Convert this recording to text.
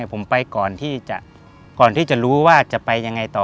ผมไปก่อนที่จะรู้ว่าจะไปยังไงต่อ